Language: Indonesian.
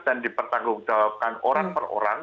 dan dipertanggungjawabkan orang per orang